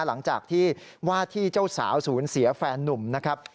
หลังจากที่ว่าที่เจ้าสาวศูนย์เสียแฟนนุ่มนะครับ